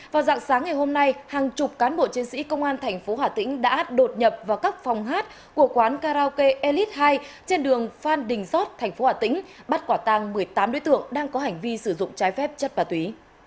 vào dạng sáng ngày hôm nay hàng chục cán bộ chiến sĩ công an thành phố hà tĩnh đã đột nhập vào các phòng hát của quán karaoke elite hai trên đường phan đình giót tp hà tĩnh bắt quả tàng một mươi tám đối tượng đang có hành vi sử dụng trái phép chất ma túy